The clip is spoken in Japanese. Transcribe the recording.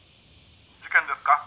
「事件ですか？